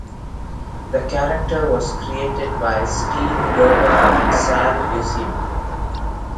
The character was created by Steve Gerber and Sal Buscema.